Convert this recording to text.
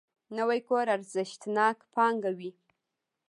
نوی کور ارزښتناک پانګه وي